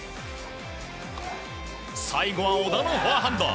最後は小田のフォアハンド。